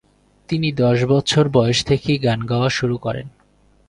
তিনি দশ বছর বয়স থেকেই গান গাওয়া শুরু করেন।